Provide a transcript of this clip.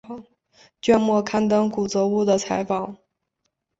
卷末刊登吉泽务的采访。